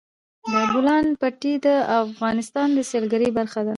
د بولان پټي د افغانستان د سیلګرۍ برخه ده.